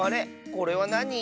これはなに？